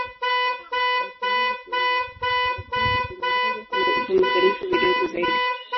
Kwa matumizi kwenye ndege kuna vipimo sanifu vidogo zaidi.